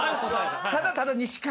ただただ西川君。